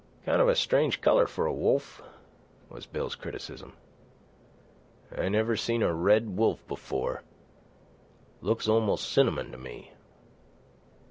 "Kind of strange colour for a wolf," was Bill's criticism. "I never seen a red wolf before. Looks almost cinnamon to me."